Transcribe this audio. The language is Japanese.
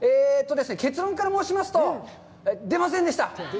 結論から申しますと出ませんでした。